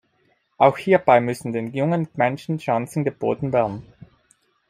Auch hierbei müssten den jungen Menschen Chancen geboten werden.